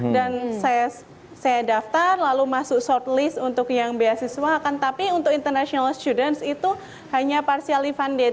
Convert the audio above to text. dan saya daftar lalu masuk shortlist untuk yang beasiswa akan tetapi untuk international students itu hanya partially funded